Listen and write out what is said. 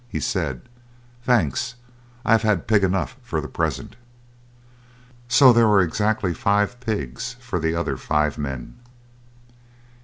He said: "Thanks, I have had pig enough for the present." So there were exactly five pigs for the other five men.